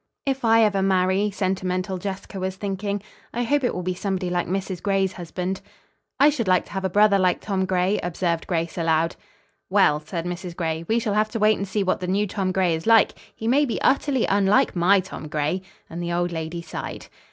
"If ever I marry," sentimental Jessica was thinking, "I hope it will be somebody like Mrs. Gray's husband." "I should like to have a brother like Tom Gray," observed Grace aloud. "Well," said Mrs. Gray, "we shall have to wait and see what the new Tom Gray is like. He may be utterly unlike my Tom Gray." And the old lady sighed.